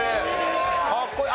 かっこいい！